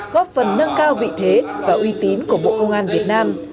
góp phần nâng cao vị thế và uy tín của bộ công an việt nam